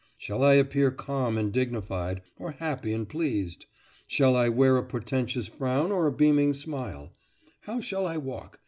shall I appear calm and dignified, or happy and pleased? shall I wear a portentous frown or a beaming smile? how shall I walk?